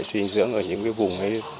suy dưỡng ở những cái vùng ấy